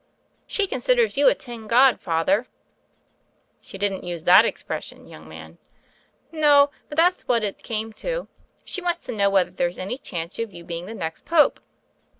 "She considers you a tin god. Father." "She didn't use that expression, young man." "No; but that's what it came to. She wants to know whether there's any chance of your be ing the next Pope."